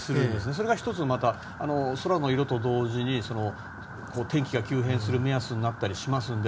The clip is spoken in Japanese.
それが１つ、空の色と同時に天気が急変する目安になったりしますので。